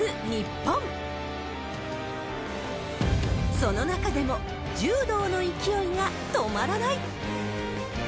その中でも、柔道の勢いが止まらない！